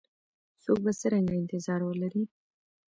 څوک به څرنګه انتظار ولري؟